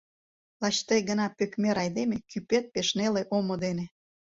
Лач тый гына, пӧкмӧр айдеме, Кӱпет пеш неле омо дене…